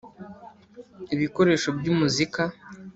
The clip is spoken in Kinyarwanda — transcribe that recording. ibikoresho by amuzika